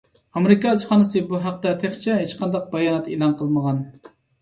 ئامېرىكا ئەلچىخانىسى بۇ ھەقتە تېخىچە ھېچقانداق بايانات ئېلان قىلمىغان.